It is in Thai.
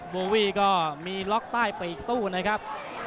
โบวี่ก็มีล็อกใต้ปีกสู้นะครับ